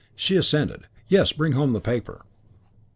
She assented, "Yes, bring home the paper."